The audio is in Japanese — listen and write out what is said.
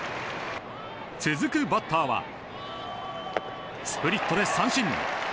続くバッターはスプリットで三振。